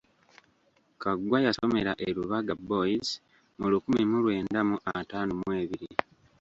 Kaggwa yasomera e Lubaga Boys mu lukumi mu lwenda mu ataano mu ebiri.